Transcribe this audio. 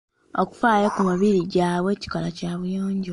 Okufaayo ku mibiri gyabwe kikolwa Kya buyonjo.